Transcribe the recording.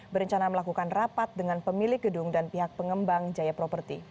berencana melakukan rapat dengan pemilik gedung dan pihak pengembang jaya properti